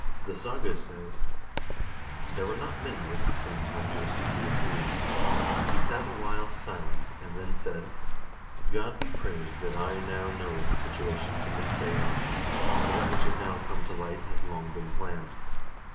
The saga says: "There were not many with the king when he received this news. He sat a while silent and then said :' God be praised that I now know the situation from this day on, for that which has now come to light has long been planned.'